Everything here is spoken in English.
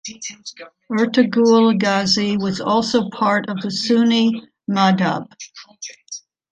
Ertugrul gazi was also part of the sunni madhab.